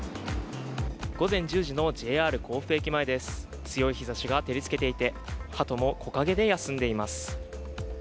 午前１０時のＪＲ甲府駅前です強い日ざしが照りつけていて、はとも木陰で休んでいます。